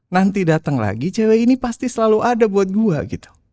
nanti datang lagi cewek ini pasti selalu ada buat gue gitu